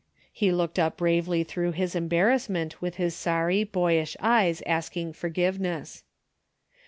He looked up bravely through his embarrassment with his sorry, boyish eyes asking forgiveness.